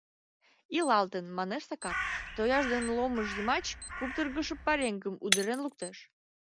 — Илалтын, — манеш Сакар, тояж дене ломыж йымач куптыргышо пареҥгым удырен луктеш.